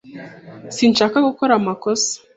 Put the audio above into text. Sinshaka gukora amakosa.